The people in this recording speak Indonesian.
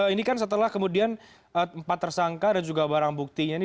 persisnya di informasikan oleh kapolri yaitu jenderal tito karnavia pada sore hari